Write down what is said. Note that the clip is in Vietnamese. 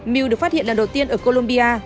mew được phát hiện lần đầu tiên ở colombia